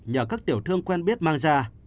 nhờ các tiểu thương quen biết mang ra